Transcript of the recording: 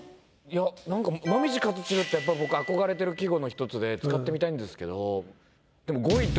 いやなんか「紅葉且つ散る」ってやっぱ僕憧れてる季語の一つで使ってみたいんですけどでもはははっ。